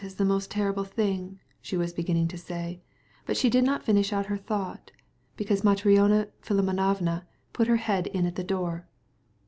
The most horrible thing is," she began, but did not finish her thought, because Matrona Philimonovna put her head in at the door.